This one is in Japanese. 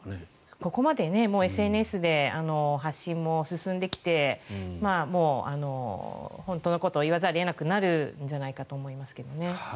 ここまでＳＮＳで発信も進んできてもう、本当のことを言わざるを得なくなるんじゃないかと思いますけどね。